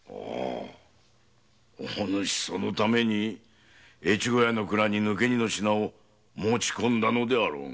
お主そのために越後屋の蔵に抜け荷の品を持ち込んだのであろうが。